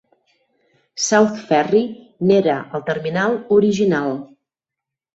South Ferry n'era el terminal original.